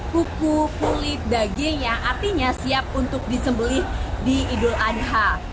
kuku kulit daging yang artinya siap untuk disembelih di idul adha